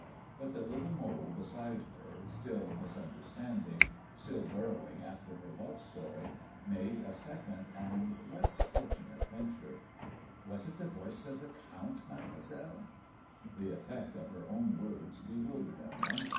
But the little mole beside her, Still misunderstandingy still bur rowing after her love story, made a second and less fortunate ven ture: ''Was it the voice of the Count, Mademoiselle 7 *' The effect of her own words bewildered Evelyn.